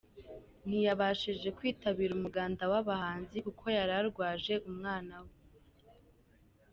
ntiyabashije kwitabira umuganda w’abahanzi kuko yari arwaje umwana we.